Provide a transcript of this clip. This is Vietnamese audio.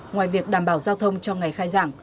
ngoài việc đảm bảo giao thông cho ngày khai giảng